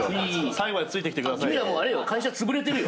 最後までついてきてくださいよ。